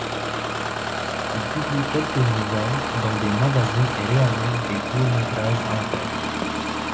Il publie quelques nouvelles dans des magazines et réalise des courts métrages amateurs.